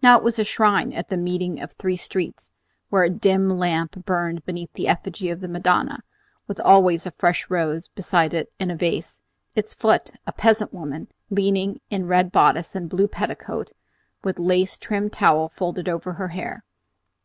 Now it was a shrine at the meeting of three streets, where a dim lamp burned beneath the effigy of the Madonna, with always a fresh rose beside it in a vase, and at its foot a peasant woman kneeling in red bodice and blue petticoat, with a lace trimmed towel folded over her hair.